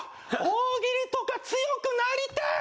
大喜利とか強くなりたい！